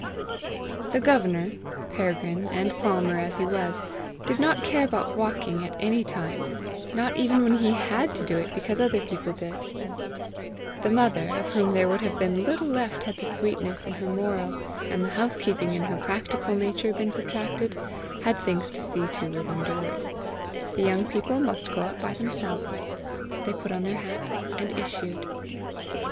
The Governor, Peregrine and Palmer as he was, did not care about walking at any time, not even when he HAD to do it because other people did; the mother, of whom there would have been little left had the sweetness in her moral, and the house keeping in her practical nature, been subtracted, had things to see to within doors: the young people must go out by themselves! They put on their hats, and issued.